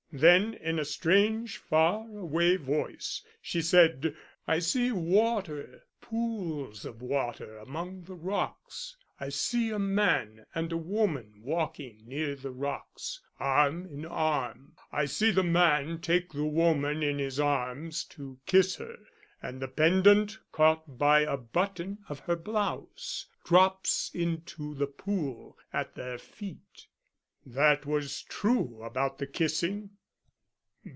Then in a strange far away voice she said, 'I see water pools of water among the rocks. I see a man and a woman walking near the rocks, arm in arm. I see the man take the woman in his arms to kiss her, and the pendant, caught by a button of her blouse, drops into the pool at their feet.' That was true about the kissing.